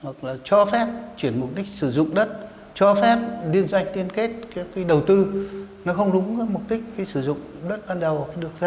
hoặc là cho phép chuyển mục đích sử dụng đất cho phép liên doanh tiên kết cái đầu tư nó không đúng cái mục đích cái sử dụng đất ban đầu được ra